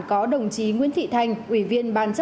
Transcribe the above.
có đồng chí nguyễn thị thanh ủy viên ban trạm